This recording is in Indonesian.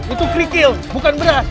itu krikil bukan beras